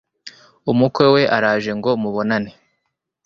umukwe we araje ngo mubonane